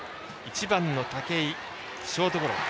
１番の武井、ショートゴロ。